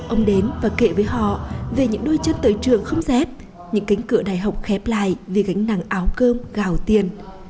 ông đến và kể với họ về những đôi chân tới trường không dép những cánh cửa đại học khép lại vì gánh nằng áo cơm gào tiền